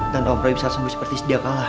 dan om roy bisa sembuh seperti sedia kalah